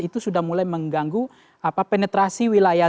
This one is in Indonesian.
itu sudah mulai mengganggu penetrasi wilayah